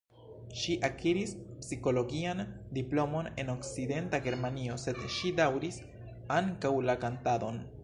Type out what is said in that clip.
Ŝi akiris psikologian diplomon en Okcidenta Germanio, sed ŝi daŭris ankaŭ la kantadon.